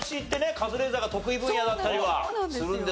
カズレーザーが得意分野だったりはするんですが。